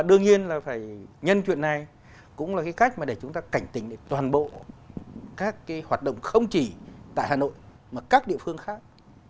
tuy nhiên là phải nhân chuyện này cũng là cái cách mà để chúng ta cảnh tỉnh để toàn bộ các cái hoạt động không chỉ tại hà nội mà các địa phương khác